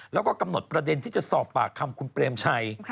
แล้วก็กำหนดประเด็นที่จะสอบปากคำคุณเปรมชัย